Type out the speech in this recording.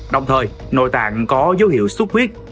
đồng thời nội tạng có dấu hiệu xúc viết